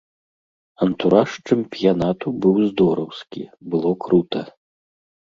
Антураж чэмпіянату быў здораўскі, было крута.